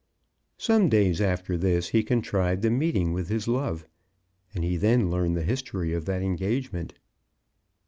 Some days after this he contrived a meeting with his love, and he then learned the history of that engagement.